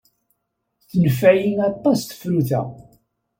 Tenfeɛ-iyi aṭas tefrut-a.